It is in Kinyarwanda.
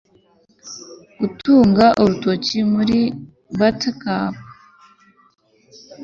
gutunga urutoki buri buttercup